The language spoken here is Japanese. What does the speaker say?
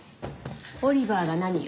オリバーが何よ？